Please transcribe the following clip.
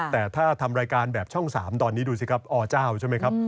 แต่ถ้าทำรายการแบบช่อง๓ตอนนี้ดูสิครับอเจ้าใช่ไหมครับ